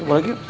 yuk balik yuk